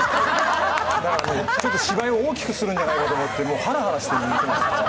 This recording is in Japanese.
だからね、芝居を大きくするんじゃないかと思ってはらはらして見てました。